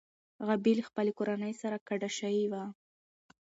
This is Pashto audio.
غابي له خپلې کورنۍ سره کډه شوې وه.